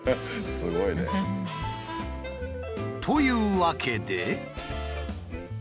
すごいね。というわけで。